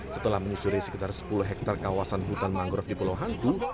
setelah menyusuri sekitar sepuluh hektare kawasan hutan mangrove di pulau hantu